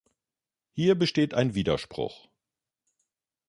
Hier besteht ein Widerspruch.